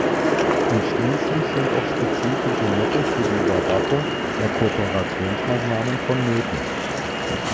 Und schließlich sind auch spezifische Mittel für die Überwachung der Kooperationsmaßnahmen vonnöten.